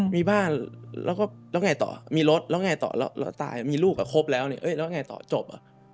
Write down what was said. มีบ้านแล้วก็แล้วไงต่อมีรถแล้วไงต่อแล้วตายมีลูกกับครบแล้วเนี่ยแล้วไงต่อจบอ่ะ